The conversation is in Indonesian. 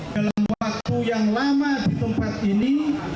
dalam waktu yang lama di tempat ini